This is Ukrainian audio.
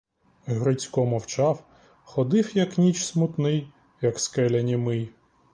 Грицько мовчав, ходив, як ніч, смутний, як скеля, німий.